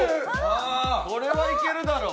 これはいけるだろ。